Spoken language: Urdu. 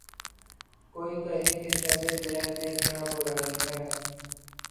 کوئی کہے کہ‘ شبِ مہ میں کیا برائی ہے